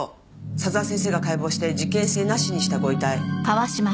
佐沢先生が解剖して事件性なしにしたご遺体。